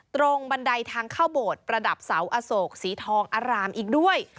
บันไดทางเข้าโบสถ์ประดับเสาอโศกสีทองอารามอีกด้วย